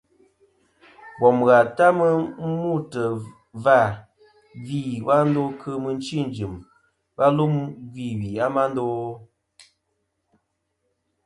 Bòm ghà ta mɨ n-mûtɨ̀ vâ, gvi a wa ndo kɨ̀ mɨchi ɨ̀n jɨ̀m, wa lum gvî wì a ma ndo a?